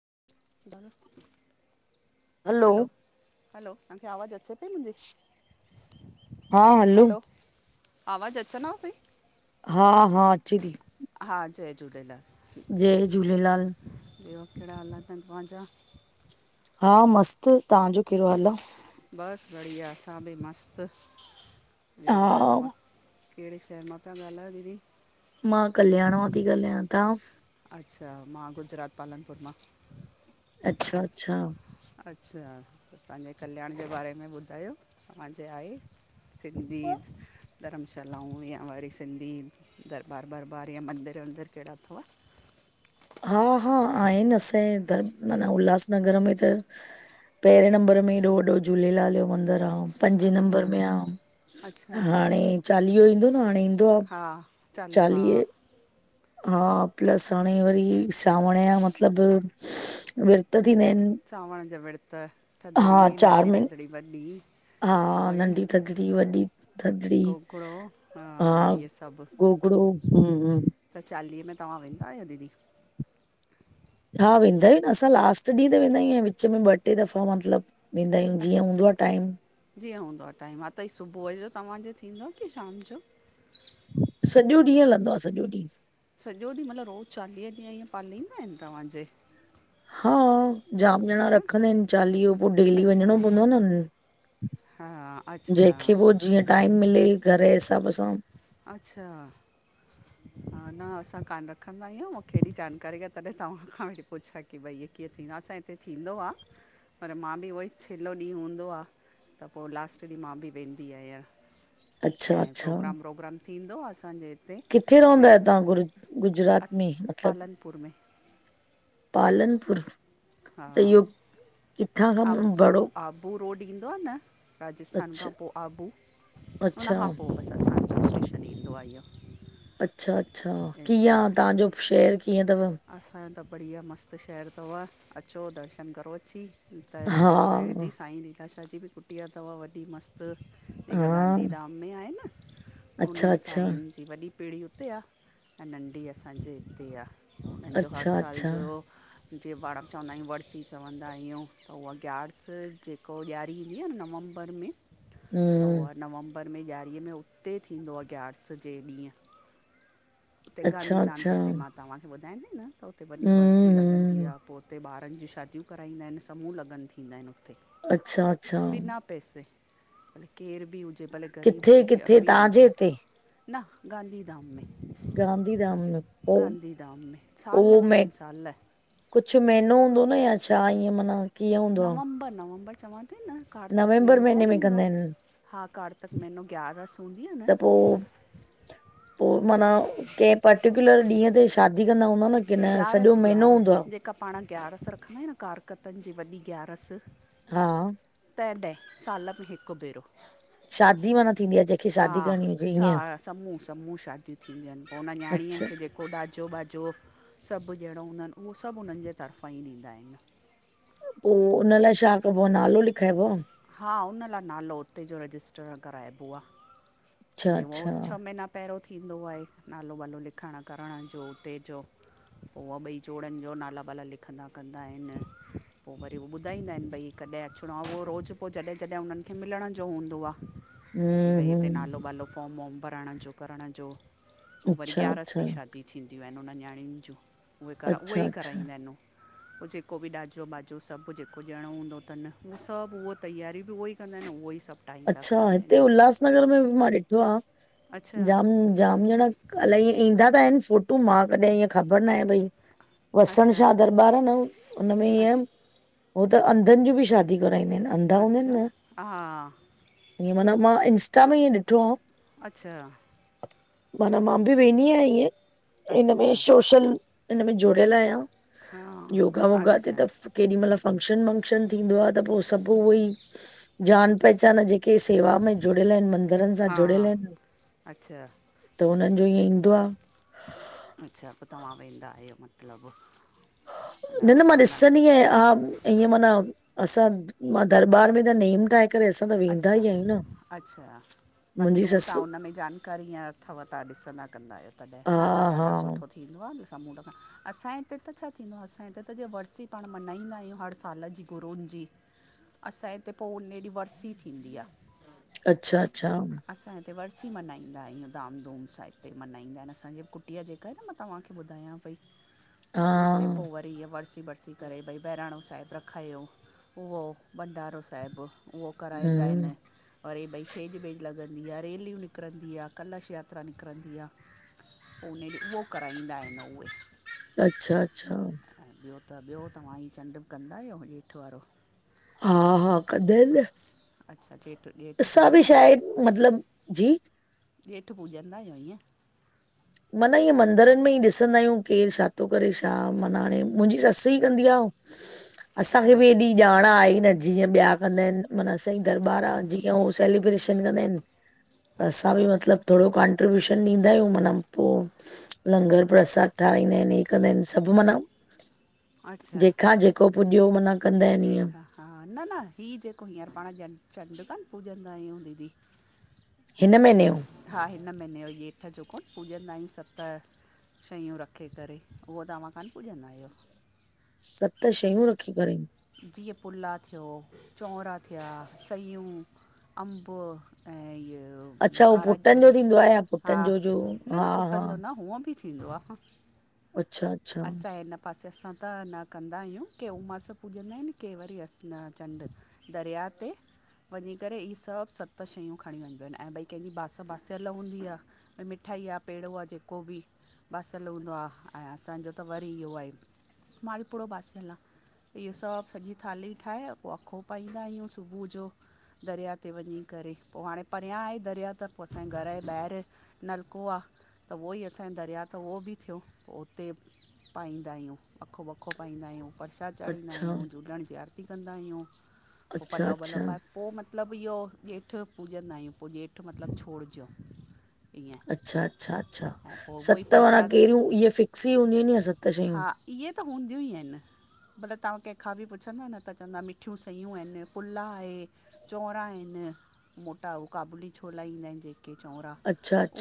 [inaudible] डालो hello hello hello तव्हांखे आवाज़ु अचे पई मुंहिंजी हा हलो हैलो आवाज़ अचनव पयीं। हा हा अचे ती। हा जय झूलेलाल जय झूलेलाल ॿियो केहिड़ा हाल तव तव्हांजा- हा मस्तु तव्हांजो केहिड़ो हालु आ। बस बढ़िया असां बि मस्तु ॿियो हा ॿुधायो तव्हां कहिड़े शहर मां प्या ॻाल्हायो दीदी मां कल्याण मां ती ॻाल्हायां ता अच्छा मां गुजरात पालनपुर मां- अच्छा अच्छा! अच्छा, त तांजे कल्याण जे बारे में ॿुधायो! सिंधी धरमशालाऊं या वरी सिंधी दरबार ॿरॿार या मंदिर वंदिर केड़ा अथव? हा हा, आहिन असां ए त, माना उल्हासनगर में त पहिरें नंबर में हेॾो वॾो झूलेलाल जो मंदिर आ। पंजे नंबर अच्छा में आ। अच्छा हाणे चालीहो ईंदो न, हाणे ईंदो अब हा चालीहो हा चालीहे। हा प्लस हाणे वरी सावण जा मतिलबु विर्त थींदा आहिन। सांवण जा विर्त, थदड़ी चार नंढी, महीन थदड़ी वॾी। हा उहे नंढी थदड़ी, वॾी थदड़ी, गोगिड़ो हा इहे सभु गोगड़ो। हम्म हम्म। त चालीऐ में तवां वेंदा आयो दीदी? हा वेंदा आयूं न असां लास्ट ॾींहं ते वेंदा आयूं ऐं विच में ॿ टे दफ़ा मतलब वेंदा आयूं जीअं अच्छा हूंदो आ टाइम। जीअं हूंदो आ टाइम, हा त ई सुबुह जो तव्वांजो थींदो आ कि शाम जो? सॼो ॾींहुं हलंदो आ, सॼो ॾींहुं। सॼो ॾींहुं मतलब रोज़ चालीह ॾींहं इअं पालींदा आहिन तव्हांजे? हा जाम ॼणा अच्छा रखंदा आहिन चालीहो, पो डेली अच्छा वञिणो पवंदो आ न उनन हा अच्छा जेहिंखे वो जीअं टाइम मिले घर जे हिसाब सां। अच्छा! हां, न असां कान रखंदा आहियूं, मूंखे हेॾी जानकारी आ तॾहिं तव्हां खां वेठी पुछां कि भई इहे कीअं थींदो आ, असांजे हुते थींदो आ पर मां बि उहई छिलो ॾींहुं हूंदो आ त पो लास्ट ॾींह मां बि वेंदी आयां। अच्छा ऐं अच्छा प्रोग्राम व्रोग्राम थींदो आ असांजे हिते। किथे भई रहंदा आयो तवां गुर गुजरात अस में मतलब? पालनपुर में पालनपुर। हा। त इहो किथां खां आबू बड़ो -आबू रोड ईंदो आ न राजस्थान अच्छा खां पो आबू। अच्छा। उन खां पो बस असांजो स्टेशन ईंदो आ इयो। अच्छा अच्छा! कीअं आ, तहांजो शहर कीअं थव? असांजो त बढ़िया मस्त शहरु थव, अचो दर्शन करो अची। त लीलाशाह जी, हा, साईं लीलाशाह जी बि कुटिया थव वॾी मस्त। जेका हा, गांधी धाम में आहे न अच्छा, उन्हनि अच्छा, सांई वॾी पीढ़ी उते आ ऐं नंढी असांजे हिते आ। उन जो हर अच्छा, साल अच्छा, जो जे पाण चवंदा आयूं वरसी चवंदा आयूं त उहा ग्यारस जे त पो ॾियारी ईंदी आ न नवंबर में, त हम्म, उहा आ नवंबर बर में ॾियारीअ में उते थींदो आ ग्यार्स जे ॾींह। उते अच्छा, गांधी धाम अच्छा, जिते हम्म, मां तहांखे ॿुधांयां ती न त हुते वॾी वरसी लॻंदी हम्म, आ, पो हुते ॿारन जी शादियूं कराईंदा आहिन, समूह लॻन थींदा आहिन हुते। अच्छा अच्छा! बिना पैसे, भले केर बि हुजे भले ग़रीब किथे हुजे कि किथे अमीर तव्हांजे हुजे। हिते? न, गांधीधाम में। गांधीधाम में पो गांधीधाम में साल थी विया आहिन, साल। कुझु महीनो हूंदो न, या छा ईअं माना कीअं हूंदो आहे? नवंबर नवंबर चवां थी न, कार्तिक नवंबर महीनो महीने कोन में ईंदो कंदा आ आहिनि, हा कारतक महीनो ग्यारस हूंदी आ न त पोइ पोइ माना कंहिं पर्टिकुयलर ॾींहं ते शादी कंदा हूंदा न, किन सॼो महीनो हूंदो आ? तां पाण गयारस रखंदा आहियूं, न कारतकनि जी वॾी ग्यारस हा तंहिं ॾहें साल में हिकु भेरो शादी माना थींदी आ, जेका हा, छा समूह समूह शादिय थींदियूं आहिनि, पोइ हुन न्याणीअ अच्छा खे जेके पो ॾाजो ॿाजो, सभु ॾहिड़ो हूंदा आहिनि उहो सभु उन्हनि जे तरफां ई ॾींदा आहिनि। पोइ हुन लाइ छा कबो आ, नालो लिखाइबो आ? हा उन लाइ नालो उते जो रजिस्टर कराइबो आ, अच्छा [unintelligible] अच्छा, छह महीना पहिरियों थींदो आहे नालो वालो लिखण करण जो उते जो उहा ॿई जोड़नि जो नाला वाला लिखंदा कंदा आहिनि पो वरी उहो ॿुधाईंदा आहिनि भई कॾहिं अचिणो आ, उहो रोज़ु पोइ जॾहिं जॾहिं उन्हनि खे मिलण जो हूंदो आ, की हम्म भई हिते हम्म, नालो वालो फॉर्म वार्म भराइण जो करण जो, पोइ वरी अच्छा ग्यारस अच्छा, ॾींहुं शादी थींदियूं आहिनि उन्हनि नयाणियुनि जूं, उहे करा उहे अच्छा ई अच्छा, कराईंदा आहिनि हू पोइ जेको बि ॾाजो ॿाजो सभु जेको ॾियणो हूंदो तनि, उहो सभु उहो तयारी बि उहे ई कंदा आहिनि उहे ई सभु टाईंदा अच्छा, कंदा हिते आहिनि उल्हासनगर में मां ॾिठो आहे अच्छा जाम जाम ॼणा अलाए ईअं ईंदा त आहिनि, फोटू मां कॾहिं ईअं ख़बर न आहे भई वसण अच्छा शाह दरबार आ न, हुनमें ईअं अच्छा हो त अंधनि जूं बि शादी कराईंदा आहिनि न अच्छा, हा ईअं माना मां इंस्टा में ईअं ॾिठो हो अच्छा माना मां बि वेंदी आहियां ईएं इन में अच्छा सोशल, हिन में जुड़ियल आहियां हा योगा वोगा थिए अच्छा त, केॾी महिल फंक्शन वंक्शन थींदो आ त पोइ सभु उहेई जान पहचान, जेके शेवा में जुड़ियल आहिनि मंदरनि सां हा जुड़ियल आहिनि अच्छा त हुननि जो ईअं ईंदो आ। अच्छा पोइ तव्हां वेंदा आहियो मतिलब ह न न मां ॾिसंदी आहियां, हा ईअं माना असां मां दरॿार में त नेम ठाहे करे असां त वेंदा अच्छा, ई आहियूं न अच्छा बाक़ी मुंहिंजी उहो तव्हां ससु हुन में जानकारी हीअं अथव तव्हां ॾिसंदा कंदा आहियो तॾहिं, हा न न हा ॾाढा सुठो थींदो आ न सामूंड खां, असांजे हिते त छा थींदो आहे असांजे हिते त जीअं वरसी पाण मल्हाईंदा आहियूं हर साल जी गुरूनि जी, असांजे त पोइ उन ॾींहुं वरसी थींदी आ अच्छा, अच्छा असां हिते वरसी मल्हाईंदा आहियूं धाम धूम सां हिते मल्हाईंदा आहिनि, असांजे कुटीआ ते [unintelligible] मां तव्हांखे ॿुधायां पई त हा उते पोइ वरी इहा वरसी बरसी करे भई बहिराणो साहिबु रखायो, उहो भंडारो साहिबु उहो कराईंदा हम्म आहिनि, वरी भई छेॼ ॿेज लॻंदी आ, रेलियूं निकिरंदी आ, कलश यात्रा निकिरंदी आ। उने ॾींहुं उहो कराईंदा आहिनि उहे। अच्छा अच्छा अएं, ॿियो त ॿियो, तव्हां ही चंड्रु बि कंदा आहियो हेठ वारो? हा हा, कंदा आहिन न। अच्छा, जेठ ॼे असां बि छाहे मतलब, जी ॼेठ पूॼंदा अह्यूं, ईंअ मन ईअ मंदरन में ई ॾिसंदा आहियूं, केर छा तो करे, छा माना हाणे मूंजी ससु ई कंदी आ, असांखे अच्छा बि एॾी ॼाण आएई न, जीअं ॿिया कंदा आहिन, मना असांजी दरबार आ, जीअ हू सेलिब्रेशन कंदा आहिन त असां अच्छा बि मतलब, थोड़ो कॉन्ट्रीब्यूशन ॾींदा आहियूं मना पो, लंगर प्रसाद ठाराईंदा इन, हे कंदा इन, सभु मना जेखां जेको पुॼयो मना जेखां हा, न न ही जेको हींअर पाण ॼं चंडु कान पूॼंदा आहियूं दीदी! हिन महिने यो? हा हिन महिने यो, येठ जो कोन पूॼंदा आहियूं सत शयूं रखे करे, उहो तव्हां कान्ह पूॼंदा आयो? सत शयूं रखी करे? जीअ पुला थियो, चोंरा थिया, सयूं अंबु अएं ईउ अच्छा उहो कारा पुटनि ॼं, जो थींदो आहे या हा, पुटनि जो जो न हा न हा पुटनि जो न, हूअ भी। थींदो आ, अच्छा अच्छा असां हिन पासे असां त, न कंदायूं, की उमास पुॼंदा एन के वरी अस, न चंडु दरिया ते वञी करे, ई सभु सत शयूं खणी वञबियूं एन, अए भई, कंहिंजी बास बासयल हूंदी आ अए, मिठाई आ पेड़ो आ जेको बि बासियल हूंदो आ, अएं असांजो त वरी इहो आहे, मालपुड़ो बासियल आ। इहे सभु सॼी थाली ठाहे, पो अखो पाईंदायूं सुबू जो। दरिया ते वञी करे, पो हाणे परियां आहे दरिया त, पो असांजे घर जे ॿाहिरि नलको आ, त उहोई असांजे दरिया त उहो बि थियो, पो उते पाईंदायूं, अखो, वखो पाईंदायूं, परसाद अच्छा चाढ़ीदायूं, झूलण जी आरती कंदायूं, पो अच्छा पलउ वलउ अच्छा पाए पो मतिलब इहो ॼेठ पूॼंदायूं, पो ॼेठ मतिलब छोड़जो। अच्छा अच्छा अच्छा, पोइ उहो ई सत माना परसाद केढ़यूं, इहे फिक्स ई हूंदयूं इन छा सत शयूं? इहे त हूंदियूं ई अइन। मत्लब, तहां कंहिंखां बि पुछंदा न, त चवंदा मिठयूं सयूं अइन पुला आहे चौंरा आहिन, मोटा हू काबुली छोला ईंदा आहिन जे के चौंरा,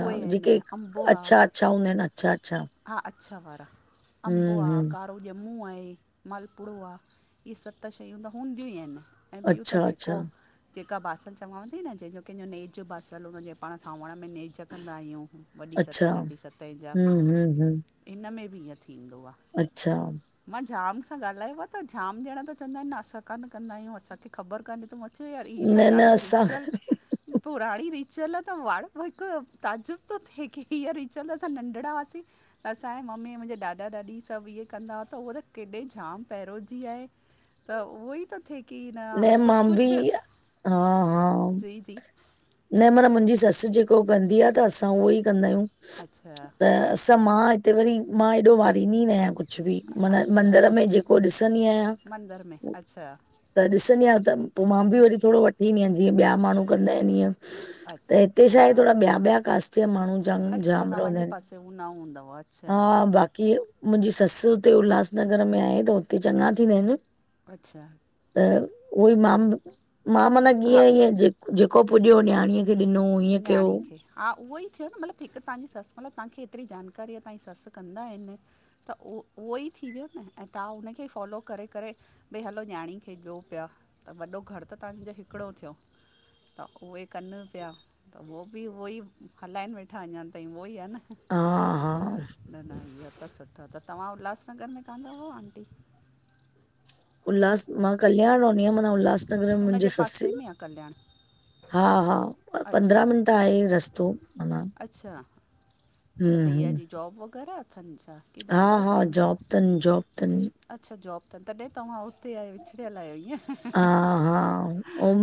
उहे अइनि, अंबु आ। छा हूंदा अइन अच्छा अच्छा? हा, अच्छा वारा। अंबु आ हम्म, का हम्म, कारो ॼंमूं आहे, मालपुड़ो आ, इहे सत शयूं त हूंदयूं ई अइन। अएं ॿियू त अच्छा, अच्छा, जेको जेका बास चवांव ती न, जेंजो कंहिंजो नेज बासलु हूंदो आ, पाण सावण में नेज कंदायूं वॾी सतहिं, नंढी़ सतहिं जा हूं हूं इन में बि ईअं थींदो आह। अच्छा! मां जाम सां ॻाल्हायो आहे, त जाम ॼणा त चवंदा आहिनि, न असां कान कंदा आहियूं, असांखे ख़बर काने था म छ यार, ई न, त न ॾाढो असां रिचुअल पुराणी रिचियल आहे त वाड़ हिकु ताजिब थो थिए, की हीअं रिचियल त असां नंढिड़ा हुआसीं असांए मम्मी मुंहिंजे ॾाॾा ॾाॾी सभु इहे कंदा हुआ त उअ त केॾे जाम पहिरियों जी आहे त उहो ई थो थिए की न, कुझु मां बि कुझु, हा, हा। जी जी न माना मुंहिंजी सस जेको कंदी आहे, त असां उहो ई कंदा आहियू। अच्छा त असां मां हिते वरी, मां एॾो वारारींदी न आहियां कुझु कुझु बि, मना, अच्छा मंदर में जेको ॾिसंदी आहियां मंदर में अच्छा। त ॾिसंदी आहियां त, पो मां बि वरी थोङो व थींद आहिनि, जीअं ॿया माण्हू कंदा आहिनि ईअं, त अच्छा हिते छाहे हा थोरा ॿिया ॿिया कास्ट जा माण्हू जंग अच्छा जाम रहंद तव्हांजे आहिनि। पासे हू न हूंदव हा, अच्छा बा कीय, मुंहिंजी ससु हुते उल्हासनगर में आहे त हुते चॻा थींदा आहिनि। अच्छा। त उहोई मां, मां माना हा कीअं ईअ जे जेको पुॼियो नियाणीअ ॾिनो ईअं कयो नियाणी खे हा, उहो ई थियो न, मलब, हिक तव्हांजी ससु मलब, तव्हांखे हेतिरी जानकारी आहे, तव्हांजी ससु कंदा आहिन। त उहो, उहो ई थी वियो न, ऐं तव्हां उनखे फॉलो करे करे भई, हलो नियाणी खे ॾियो पिया, त वॾो घरु त तव्हांजो हिकिड़ो थियो। त उहे कन पिया, त उहो बि उहो ई, हलाइनि वेठा अञा ताईं उहो ई आ न ह, हा हा न न इहो त सुठो त, त तव्हां उल्हासनगर में कान रहो आंटी? उल्हास, मां कल्याण रोहनी हुअम, माना उल्हासनगर में मुंहिंजे हुनजे सस पासे में आहे कल्याण हा हा, अच्छा पंद्रहं मिंट आहे रस्तो, माना अच्छा त हम्म भैया हम्म जी जॉब वग़ैरह अथनि छा? की हा धंधो हा, पंहिंजो जॉब तन्, जॉब तन्। अच्छा जॉब अथनि, तॾहिं तव्हां हुते आहियो विछड़ियल आहियो हा, इअं?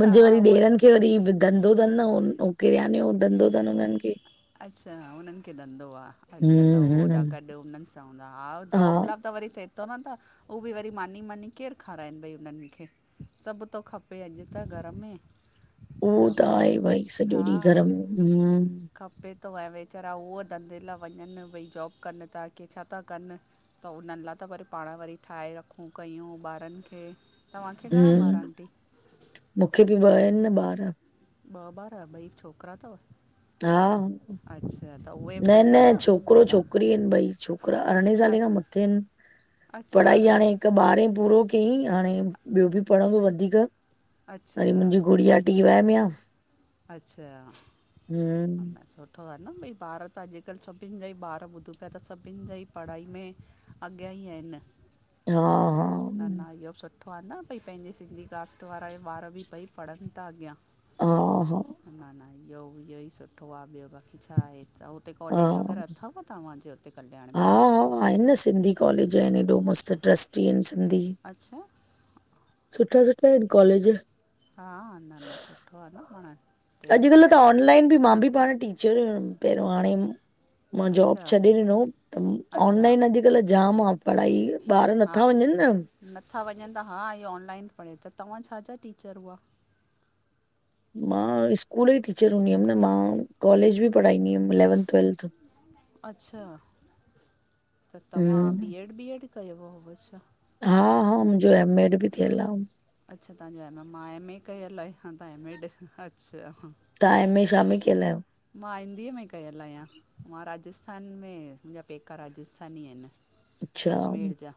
हा, उअई। क वरी धंधो अथनि किरयाने धंधो अथनि हुननि खे। अच्छा, उन्हनि खे धंधो आहे। अच्छा त उह हम्म, होॾा हम्म गॾु हुनननि सां हूंदा, हा जॉबला त वरी थिए। चवन्ता उहे वरी मानी मानी केरु खाराइनि भई उन्हनि खे? सभु थो खपे अॼु त घर में। उहो त आहे भई सॼो हा ॾींहुं घरमम। खपे थो ऐं वेचारा उहो धंधे लाइ वञनि भई, जॉब कनि था की छा था कनि। त उन्हनि लाइ त वरी पाण वरी ठाहे रखूं कयूं ॿारनि खे। तव्हांखे घणा ॿार हम, आंटी मूंखे बि ॿ आहिनि न ॿार। ॿ ॿार, ॿई छोकिरा अथव? हा। अच्छा त उहे। बि न नंढा न अथव छोकिरो - वॾा छोकिरी आहिनि भई, छोकिरा अरिड़हें अ साले खां म किन, अच्छा पढ़ाई अरिड़हें हाणे खां। हिकु बा्रे पूरो चई हाणे ॿियो बि पढ़ंदो वधीक, हाड़े अच्छा मुंहिंजी गुड़िया टी वाय में आ। अच्छा। हम्म सुठो आ न, भई ॿार त अॼुकल्ह सभिनि जा ई ॿार ॿुधू पिया त सभिनि जा ई पढ़ाई में अॻियां ई आहिनि। हा हा। न न इहो बि सुठो आहे न, भई पंहिंजी सिंधी कास्ट वाराा ॿार बि पई पढ़नि था अॻियां। आ। हा। न न इहो इहो ई सुठो आ। ॿियो बाक़ी छा आहे? उते हा, कॉलेज हा। वग़ैरह अथव तव्हांजे हुते कल्याण हा, में? हा आहिनि न, सिंधी कॉलेज आहिनि। एॾो मस्तु ट्रस्टी आहिनि सिंधी। अच्छा? सुठा सुठा आहिनि कॉलेज। हा हा, न न सुठो आ न पाण ते। अॼुकल्ह त ऑनलाइन बि मां बि पाण टीचर हुयुमि पहिरियों। हाणे मां जॉब अच्छा छॾे ॾिनो, त अच्छा ऑनलाइन अॼुकल्ह जाम आ पढ़ाई। ॿार हा नथा वञनि न। नथा वञनि ता हा इो ऑनलाइन पढ़े, त तव्हां छा छा टीचर हुआ? मां स्कूल ई टीचर हूंदी हुअमि न, मां कॉलेज बि पढ़ाईंदी हुअमि इलेवंथ ट्वेल्थ। अच्छा। त तव्हां हम्म, बी एड बी एड कयो हुअ छा? हा हा, मुंहिंजो ऐम एड बि थियल आ। अच्छा तव्हांजो एम मां एमए कयल आहे, तव्हां एम एॾ अच्छा। तव्हां एम ए शा में कयल आहियो? मां हिंदीअ में कयल आहियां। मां राजस्थान में, मुंहिंजा पेका राजस्थानी आहिनि। अच्छा। अजमेर जा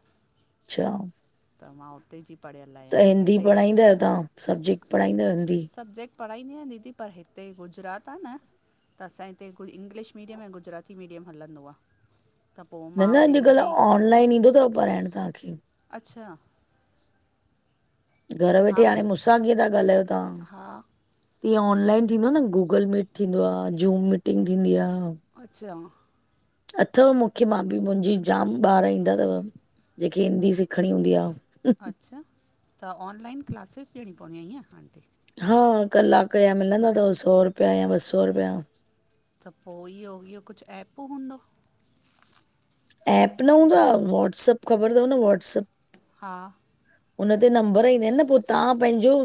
अच्छा। त मां उते जी पढ़ियल त आहियां। हिंदी हिते पढ़ाईंन्दा आहियो तव्हां? सब्जेक्ट पढ़ाईंन्दा आयो हिंदी? सब्जेक्ट पढ़ाईंदी आहियां दीदी, पर हिते गुजरात आ न त असां हिते कोई इंग्लिश मीडियम, ऐं गुजराती मीडियम हलंदो आ। न न अॼुकल्ह ऑनलाइन ईंदो थव पढ़ाइण तव्हांखे? अछा? घरु वेठे हा हाणे मूंसां कीअं था ॻाल्हयो तव्हां? हा। तीअं ऑनलाइन थींदो न? गूगल मीट थींदो आहे। ज़ूम मीटिंग थींदी आ। अच्छा। अथव मुखे। मां बि मुंजी जाम ॿार ईंदा थव। जेके हिंदी सिखणी हूंदी आ। अच्छा? त ऑनलाइन क्लासिस ॾियणी पवंदी आ इअं आंटी? हा कलाक जा मिलंद तव सौ रुपया या ॿ सौ रुपया। त पो इहो इहो कुछ ऐप हूंदो? एप न हूंदो आ। वॉट्सप ख़बर तव न वाट्सप। हा। हुन ते नंबर ईंदा आहिनि न पो तव्हां पंहिंजो